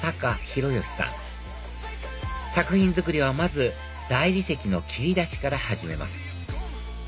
能さん作品作りはまず大理石の切り出しから始めます